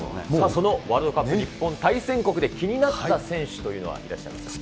そのワールドカップ、日本、対戦国で気になった選手というのはいらっしゃいますか。